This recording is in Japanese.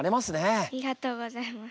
ありがとうございます。